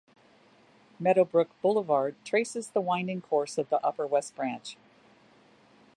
Meadowbrook Boulevard traces the winding course of the upper west branch.